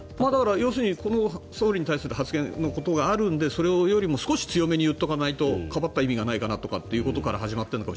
要するにこの総理に対する発言のことがあるのでそれよりも少し強めに言わないとかばったことにならないかなということもあったのかなと。